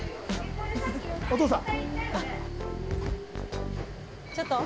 お父さん。